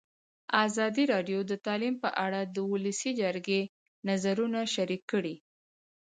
ازادي راډیو د تعلیم په اړه د ولسي جرګې نظرونه شریک کړي.